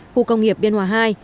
khu công nghiệp biên hòa hai